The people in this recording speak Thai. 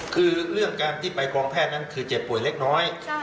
คือเรื่องการที่ไปกองแพทย์นั้นคือเจ็บป่วยเล็กน้อย